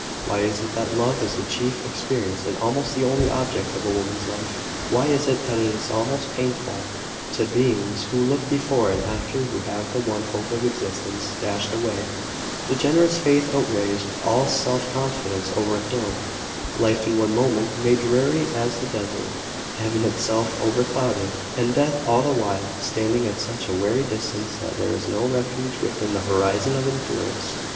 Why is it that love is the chief experience, and almost the only object, of a woman's life? Why is it that it is painful to beings who look before and after to have the one hope of existence dashed away the generous faith outraged all self confidence overthrown life in one moment made dreary as the desert Heaven itself overclouded and death all the while standing at such a weary distance that there is no refuge within the horizon of endurance?